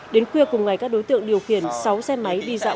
đến khuya cùng ngày các đối tượng điều khiển sáu xe máy đi dạo